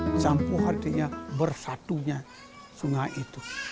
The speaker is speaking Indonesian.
pacampuhan itu bersatunya sungai itu